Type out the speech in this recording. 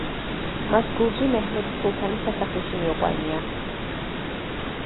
მას გურჯი მეჰმედი სულთნის სასახლეში მიუყვანია.